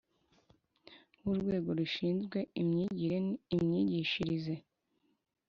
W Urwego Rushinzwe Imyigire Imyigishirize